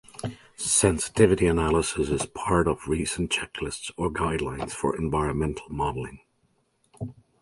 Sensitivity analysis is part of recent checklists or guidelines for environmental modelling.